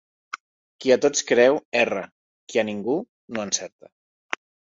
Qui a tots creu, erra; qui a ningú, no encerta.